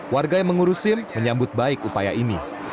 warga yang mengurus sim menyambut baik upaya ini